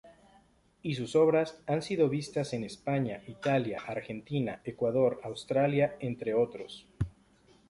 Y sus obras han sido vistas en España, Italia, Argentina, Ecuador, Australia, entre otros.